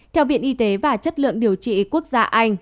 theo viện y tế và chất lượng điều trị quốc gia anh